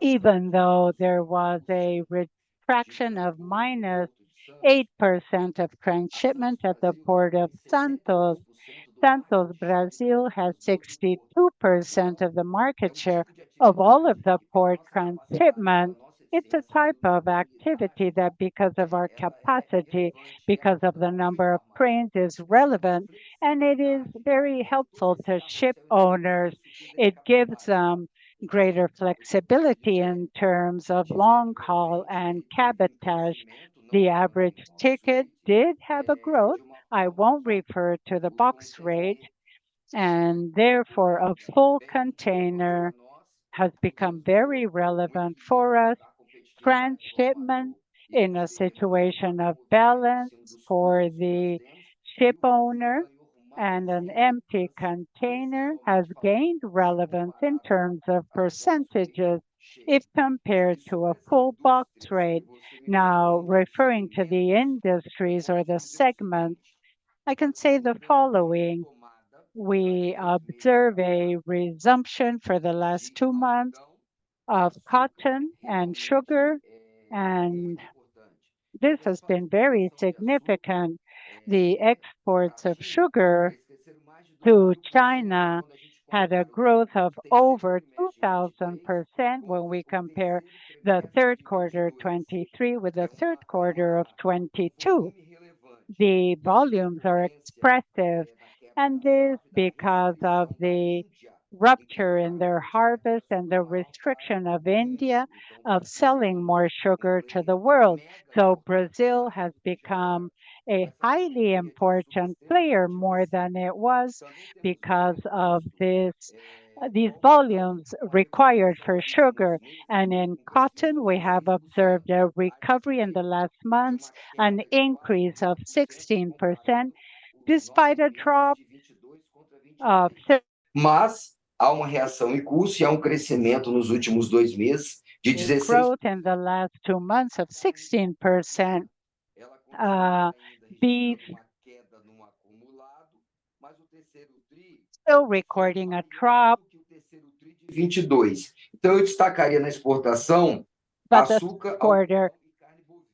even though there was a retraction of -8% of transshipment at the Port of Santos. Santos, Brazil, has 62% of the market share of all of the port transshipment. It's a type of activity that because of our capacity, because of the number of cranes, is relevant, and it is very helpful to shipowners. It gives them greater flexibility in terms of long haul and cabotage. The average ticket did have a growth. I won't refer to the box rate, and therefore, a full container has become very relevant for us. Transshipment, in a situation of balance for the shipowner and an empty container, has gained relevance in terms of percentages if compared to a full box rate. Now, referring to the industries or the segments, I can say the following: We observe a resumption for the last two months of cotton and sugar, and this has been very significant. The exports of sugar to China had a growth of over 2,000% when we compare the third quarter 2023 with the third quarter of 2022. The volumes are expressive, and this because of the rupture in their harvest and the restriction of India of selling more sugar to the world. So Brazil has become a highly important player, more than it was, because of this, these volumes required for sugar. And in cotton, we have observed a recovery in the last months, an increase of 16%, despite a drop. But there's growth in the last two months of 16%, still recording a drop of 22%. So I would highlight in exports, sugar, alcohol, and beef. But the quarter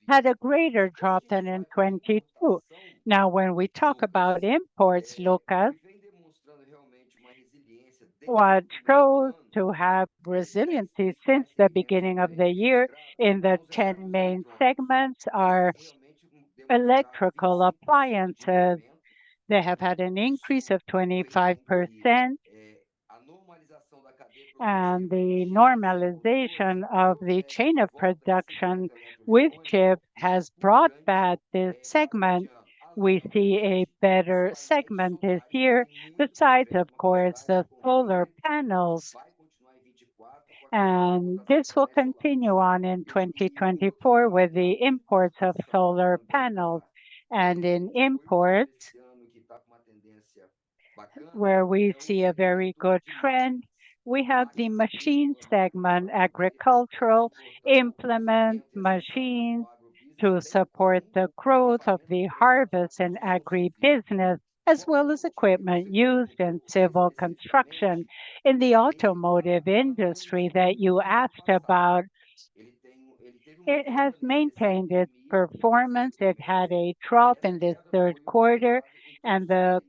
had a greater drop than in 2022. Now, when we talk about imports, Lucas, what goes to have resiliency since the beginning of the year in the 10 main segments are electrical appliances. They have had an increase of 25%. The normalization of the chain of production with chip has brought back this segment. We see a better segment this year, besides, of course, the solar panels. This will continue on in 2024 with the imports of solar panels. In imports, where we see a very good trend, we have the machine segment, agricultural implement machines, to support the growth of the harvest and agribusiness, as well as equipment used in civil construction. In the automotive industry that you asked about, it has maintained its performance. It had a drop in the third quarter, and the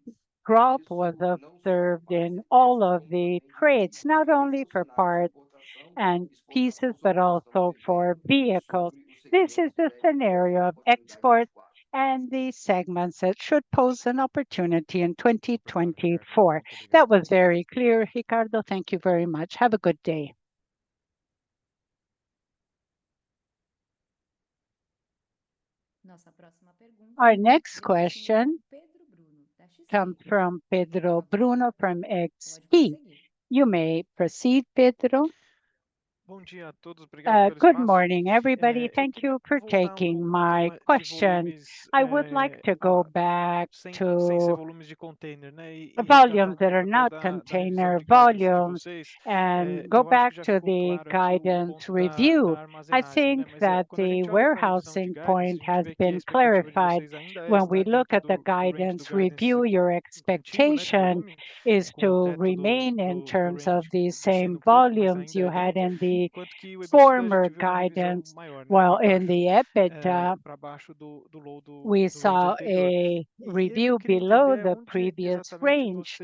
drop was observed in all of the trades, not only for parts and pieces, but also for vehicles. This is the scenario of exports and the segments that should pose an opportunity in 2024. That was very clear, Ricardo. Thank you very much. Have a good day. Our next question comes from Pedro Bruno from XP. You may proceed, Pedro. Good morning, everybody. Thank you for taking my questions. I would like to go back to the volumes that are not container volumes and go back to the guidance review. I think that the warehousing point has been clarified. When we look at the guidance review, your expectation is to remain in terms of the same volumes you had in the former guidance, while in the EBITDA, we saw a review below the previous range.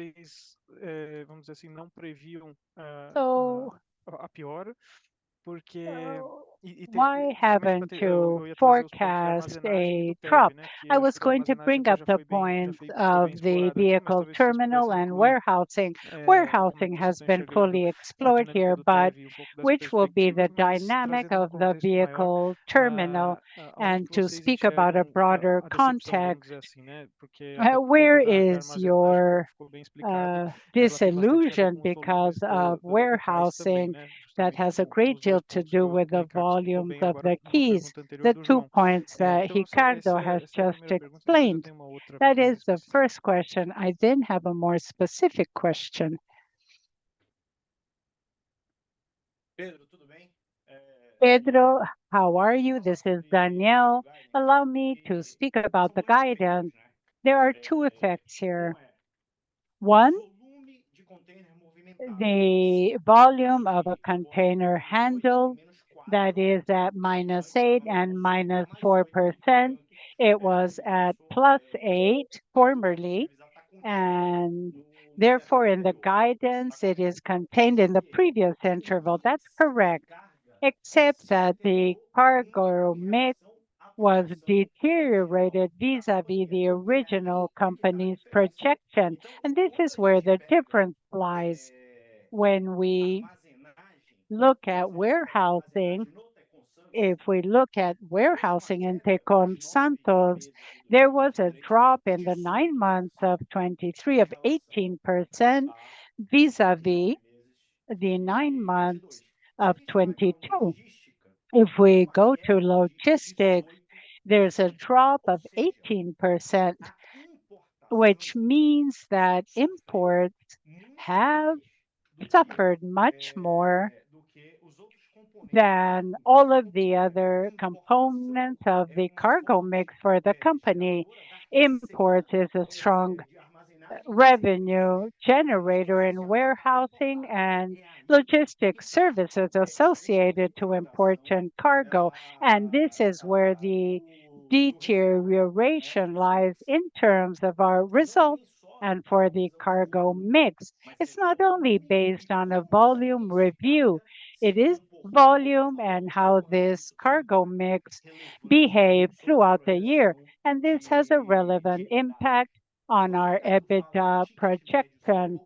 So why haven't you forecast a drop? I was going to bring up the point of the Vehicle Terminal and warehousing. Warehousing has been fully explored here, but which will be the dynamic of the Vehicle Terminal? To speak about a broader context, where is your disillusion because of warehousing that has a great deal to do with the volumes of the quays? The two points that Ricardo has just explained. That is the first question. I then have a more specific question. Pedro, how are you? This is Daniel. Allow me to speak about the guidance. There are two effects here. One, the volume of a container handle that is at -8% and -4%. It was at +8% formerly, and therefore, in the guidance, it is contained in the previous interval. That's correct, except that the cargo mix was deteriorated vis-a-vis the original company's projection, and this is where the difference lies. When we look at warehousing, if we look at warehousing in Tecon Santos, there was a drop in the nine months of 2023 of 18% vis-à-vis the nine months of 2022. If we go to logistics, there's a drop of 18%, which means that imports have suffered much more than all of the other components of the cargo mix for the company. Import is a strong revenue generator in warehousing and logistics services associated to import and cargo, and this is where the deterioration lies in terms of our results and for the cargo mix. It's not only based on a volume review, it is volume and how this cargo mix behaved throughout the year, and this has a relevant impact on our EBITDA projection.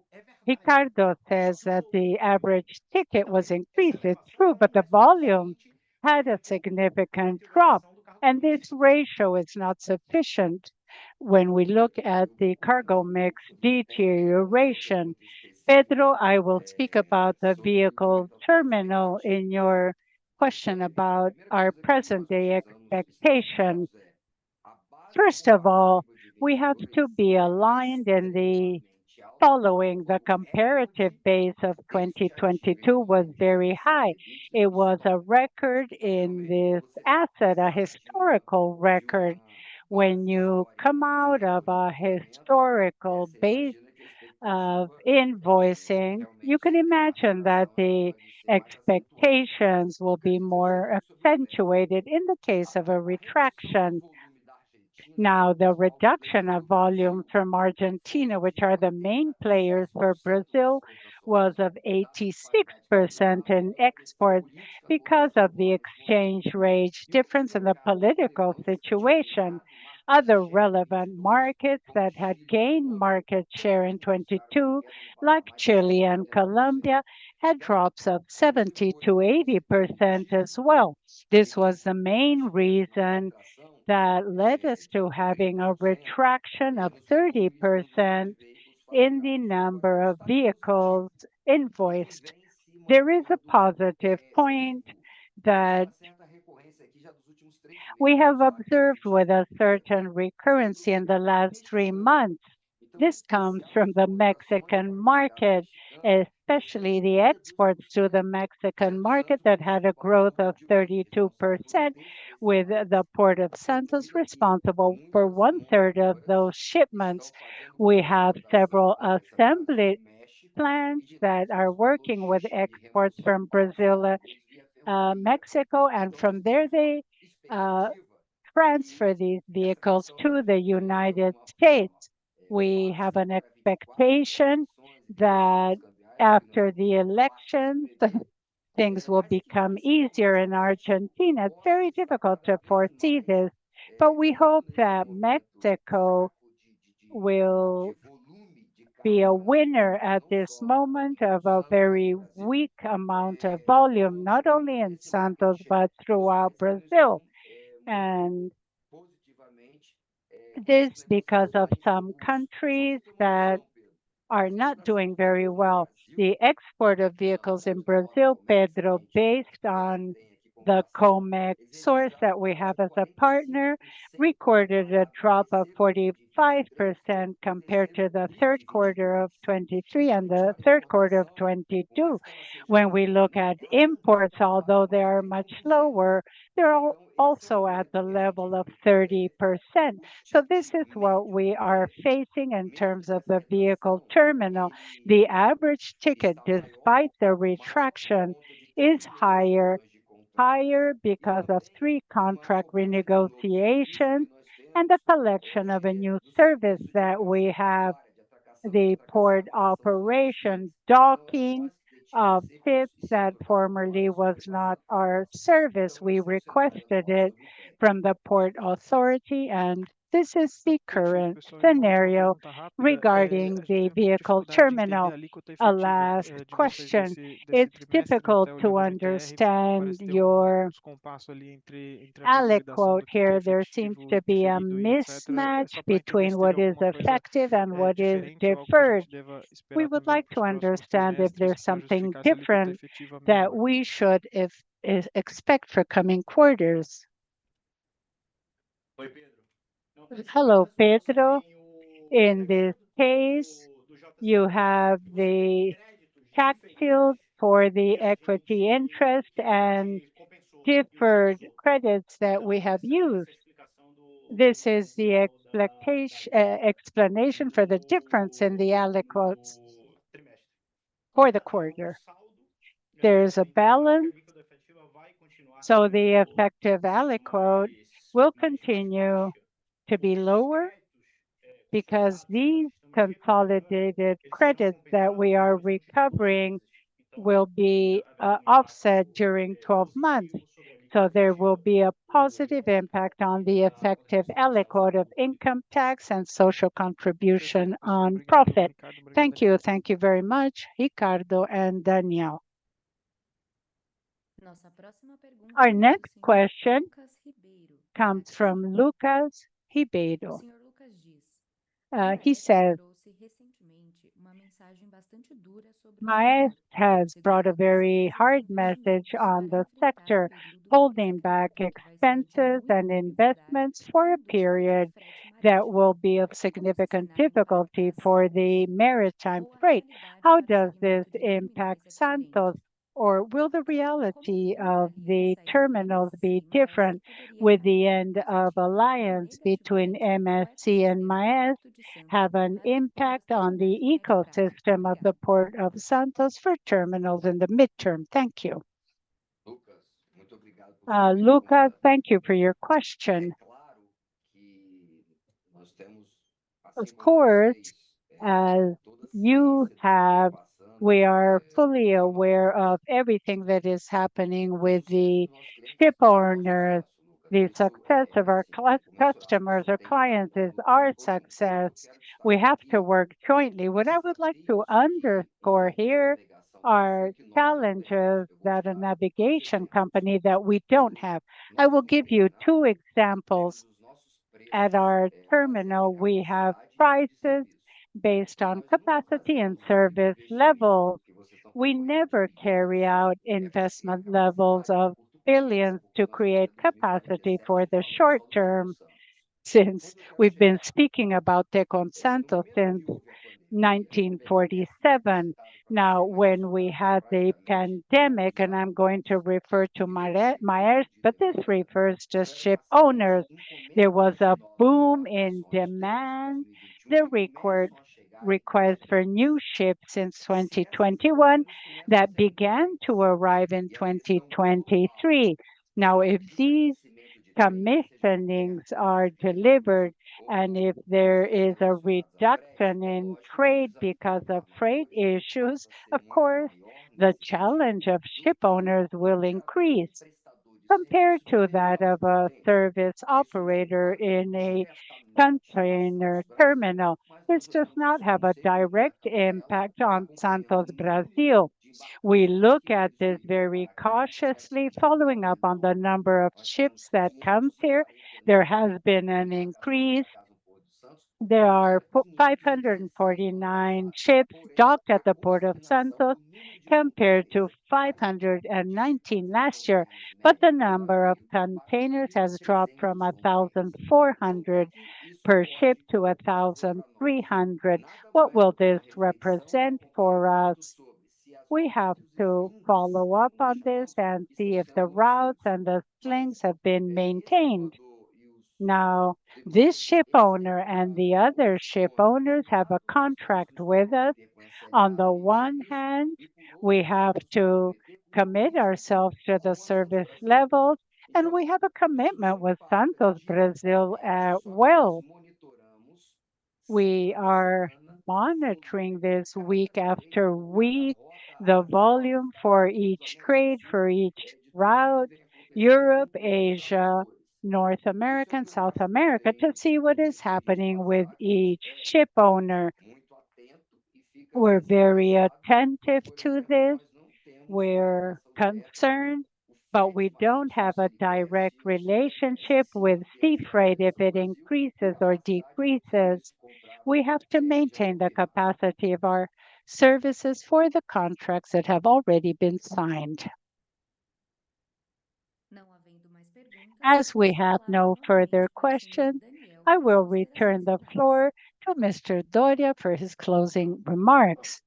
Ricardo says that the average ticket was increased. It's true, but the volume had a significant drop, and this ratio is not sufficient when we look at the cargo mix deterioration. Pedro, I will speak about the Vehicle Terminal in your question about our present-day expectations. First of all, we have to be aligned in the following. The comparative base of 2022 was very high. It was a record in this asset, a historical record. When you come out of a historical base of invoicing, you can imagine that the expectations will be more accentuated in the case of a retraction. Now, the reduction of volume from Argentina, which are the main players for Brazil, was of 86% in exports because of the exchange rate difference and the political situation. Other relevant markets that had gained market share in 2022, like Chile and Colombia, had drops of 70%-80% as well. This was the main reason that led us to having a retraction of 30% in the number of vehicles invoiced. There is a positive point that we have observed with a certain recurrence in the last three months. This comes from the Mexican market, especially the exports to the Mexican market, that had a growth of 32%, with the Port of Santos responsible for one-third of those shipments. We have several assembly plants that are working with exports from Brazil, Mexico, and from there they transfer these vehicles to the United States. We have an expectation that after the elections, things will become easier in Argentina. It's very difficult to foresee this, but we hope that Mexico will be a winner at this moment of a very weak amount of volume, not only in Santos, but throughout Brazil, and this because of some countries that are not doing very well. The export of vehicles in Brazil, Pedro, based on the Comex source that we have as a partner, recorded a drop of 45% compared to the third quarter of 2023 and the third quarter of 2022. When we look at imports, although they are much lower, they're also at the level of 30%. So this is what we are facing in terms of the Vehicle Terminal. The average ticket, despite the retraction, is higher. Higher because of three contract renegotiations and the selection of a new service that we have, the port operation docking of ships that formerly was not our service. We requested it from the Port Authority, and this is the current scenario regarding the Vehicle Terminal. A last question. It's difficult to understand your aliquot here. There seems to be a mismatch between what is effective and what is deferred. We would like to understand if there's something different that we should if, expect for coming quarters. Hello, Pedro. In this case, you have the tax shields for the equity interest and deferred credits that we have used. This is the expectation, explanation for the difference in the aliquots for the quarter. There is a balance, so the effective aliquot will continue to be lower because these consolidated credits that we are recovering will be, offset during 12 months. So there will be a positive impact on the effective aliquot of income tax and social contribution on profit. Thank you. Thank you very much, Ricardo and Daniel. Our next question comes from Lucas Ribeiro. He says, "Maersk has brought a very hard message on the sector, holding back expenses and investments for a period that will be of significant difficulty for the maritime freight. How does this impact Santos, or will the reality of the terminals be different with the end of alliance between MSC and Maersk have an impact on the ecosystem of the Port of Santos for terminals in the midterm? Thank you." Lucas, thank you for your question. Of course, as you have, we are fully aware of everything that is happening with the shipowners. The success of our customers or clients is our success. We have to work jointly. What I would like to underscore here are challenges that a navigation company that we don't have. I will give you two examples. At our terminal, we have prices based on capacity and service level. We never carry out investment levels of billions to create capacity for the short term, since we've been speaking about Tecon Santos since 1947. Now, when we had the pandemic, and I'm going to refer to Maersk, but this refers to shipowners, there was a boom in demand. The record request for new ships since 2021 that began to arrive in 2023. Now, if these commissionings are delivered and if there is a reduction in trade because of freight issues, of course, the challenge of shipowners will increase compared to that of a service operator in a container terminal. This does not have a direct impact on Santos Brasil. We look at this very cautiously, following up on the number of ships that come here. There has been an increase. There are 549 ships docked at the Port of Santos, compared to 519 last year, but the number of containers has dropped from 1,400 per ship to 1,300. What will this represent for us? We have to follow up on this and see if the routes and the links have been maintained. Now, this shipowner and the other shipowners have a contract with us. On the one hand, we have to commit ourselves to the service levels, and we have a commitment with Santos Brasil as well. We are monitoring this week after week, the volume for each trade, for each route, Europe, Asia, North America, and South America, to see what is happening with each shipowner. We're very attentive to this. We're concerned, but we don't have a direct relationship with sea freight. If it increases or decreases, we have to maintain the capacity of our services for the contracts that have already been signed. As we have no further questions, I will return the floor to Mr. Dorea for his closing remarks.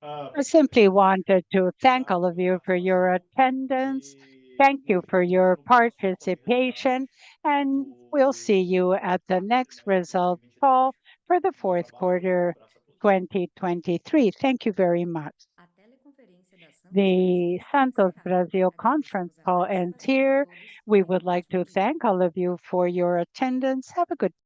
I simply wanted to thank all of you for your attendance. Thank you for your participation, and we'll see you at the next result call for the fourth quarter 2023. Thank you very much. The Santos Brasil conference call ends here. We would like to thank all of you for your attendance. Have a good-